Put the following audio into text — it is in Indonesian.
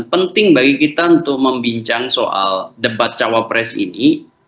penting bagi kita untuk membincang soal debat cawapres ini